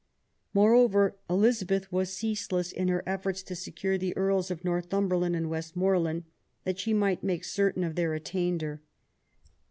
Moreover, Elizabeth was ceaseless in her efforts to secure the Earls of Northumberland and Westmoreland that she might make certain of their attainder.